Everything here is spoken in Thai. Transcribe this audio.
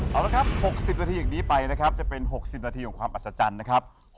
เอาละครับ๖๐นาทีอย่างนี้ไปนะครับจะเป็น๖๐นาทีของความอัศจรรย์นะครับ